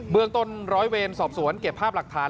เมืองต้นร้อยเวรสอบสวนเก็บภาพหลักฐาน